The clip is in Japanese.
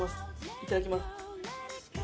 いただきます。